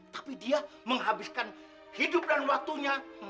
tapi dia menghabiskan hidup dan waktunya